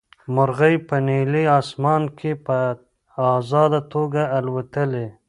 مرغۍ په نیلي اسمان کې په ازاده توګه الوتلې.